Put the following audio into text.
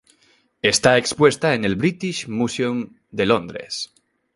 Está expuesta en el British Museum de Londres.